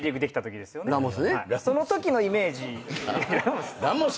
そのときのイメージ。